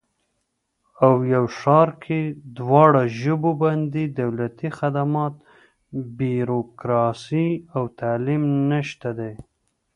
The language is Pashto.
او یو ښار کې دواړه ژبو باندې دولتي خدمات، بیروکراسي او تعلیم نشته دی